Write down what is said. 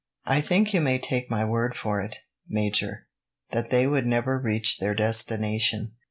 "I think you may take my word for it, Major, that they would never reach their destination.